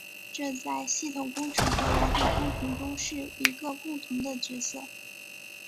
这在系统工程和软体工程中是一个共同的角色。